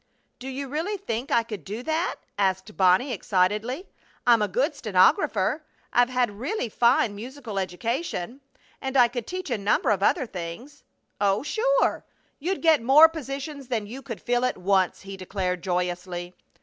"Do you really think I could do that?" asked Bonnie, excitedly. "I'm a good stenographer, I've had a really fine musical education, and I could teach a number of other things." "Oh, sure! You'd get more positions than you could fill at once!" he declared, joyously.